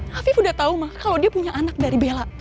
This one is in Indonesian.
hafi sudah tahu maka kalau dia punya anak dari bella